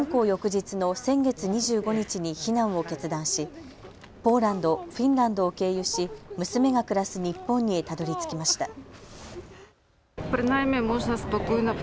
翌日の先月２５日に避難を決断しポーランド、フィンランドを経由し娘が暮らす日本にたどりつきました。